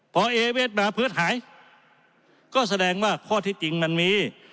พอเอเวทมาเพิร์ตหายก็แสดงว่าข้อที่จริงมันมี